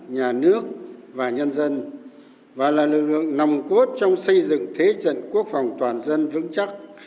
nhà nước và nhân dân và là lực lượng nằm cốt trong xây dựng thế trận quốc phòng toàn dân vững chắc